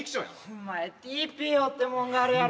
お前ＴＰＯってもんがあるやろ。